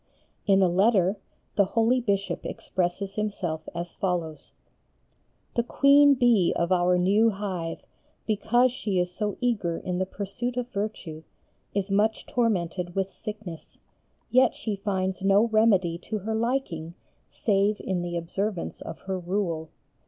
In a letter the holy Bishop expresses himself as follows: "The Queen Bee of our new hive, because she is so eager in the pursuit of virtue, is much tormented with sickness, yet she finds no remedy to her liking save in the observance of her Rule.